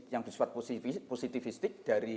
yang disuat positifistik dari